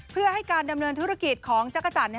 เพื่อให้การดำเนินธุรกิจของจักรจันทร์